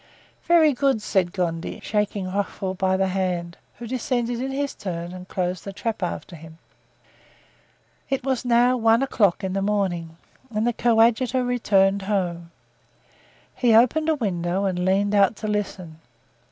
"Very good," said Gondy, shaking Rochefort by the hand, who descended in his turn and closed the trap after him. It was now one o'clock in the morning and the coadjutor returned home. He opened a window and leaned out to listen.